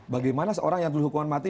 bagaimana seorang yang dulu hukuman mati